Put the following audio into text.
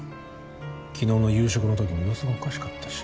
昨日の夕食のときも様子がおかしかったし。